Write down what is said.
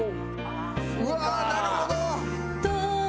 うわーなるほど！